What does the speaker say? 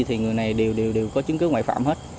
thì người này đều đều có chứng cứ ngoại phạm hết